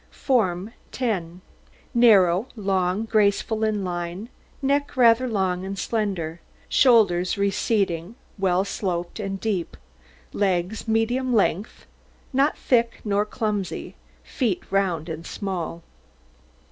FORM 10 Narrow, long, graceful in line, neck rather long and slender, shoulders receding, well sloped, and deep, legs medium length, not thick nor clumsy, feet round and small.